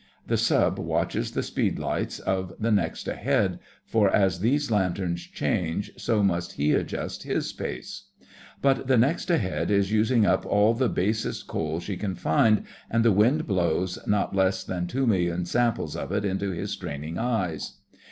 The Sub watches the speed lights of the next ahead, for as those lanterns change so must he adjust his pace. But the next ahead is using up all the basest coal she can find, and the wind blows not less than two million samples of it into his straining eyes.